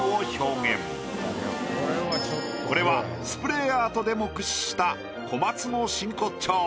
これはスプレアートでも駆使した小松の真骨頂。